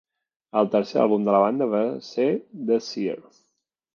El tercer àlbum de la banda va ser "The Seer".